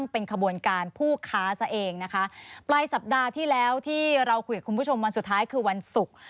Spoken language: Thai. ปลายสัปดาห์ที่แล้วที่เราคุยกับคุณผู้ชมวันสุดท้ายคือวันศุกร์